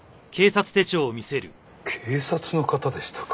警察の方でしたか。